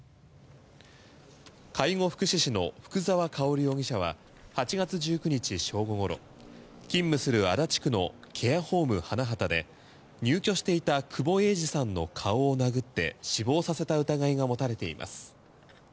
介護福祉士の福澤薫容疑者は８月１９日正午ごろ勤務する足立区のケアホーム花畑で入居していた久保榮治さんの顔を殴って死亡させた疑いが持たれています。